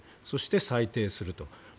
そして裁定すると。